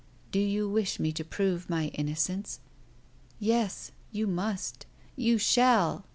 "Do you wish me to prove my innocence?" "Yes; you must you shall!"